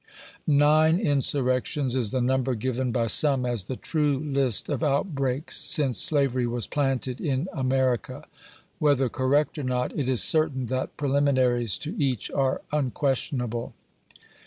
Nine insurrections is the number given by some as the true list of outbreaks since sla very was planted in America ; whether correct or not, it is certain that, preliminaries to each are unquestionable.